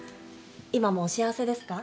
今もお幸せですか？